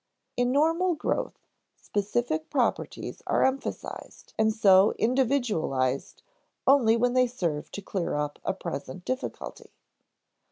In normal growth, specific properties are emphasized and so individualized only when they serve to clear up a present difficulty.